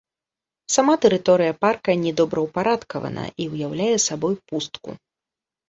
Сама тэрыторыя парка не добраўпарадкавана і ўяўляе сабой пустку.